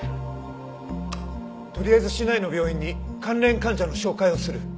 とりあえず市内の病院に関連患者の照会をする。